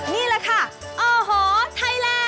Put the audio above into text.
นี่แหละค่ะโอ้โหไทยแลนด